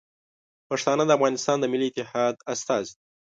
پښتانه د افغانستان د ملي اتحاد استازي دي.